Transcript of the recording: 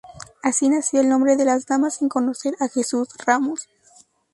Así nació el nombre de Las Damas sin conocer a Jesús Ramos.